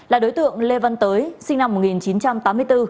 là đối tượng lê văn tới sinh năm một nghìn chín trăm tám mươi bốn